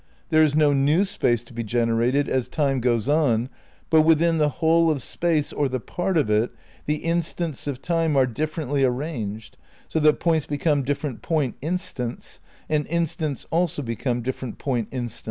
There is no new Space to be generated as Time goes on, but within the whole of Space or the part of it the instants of Time are differently ar ranged, so that points become different point instants, and instants also become different point instants."